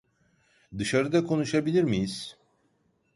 Dışarıda konuşabilir miyiz?